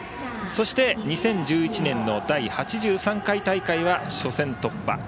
そして、２０１１年の第８３回大会は初戦突破。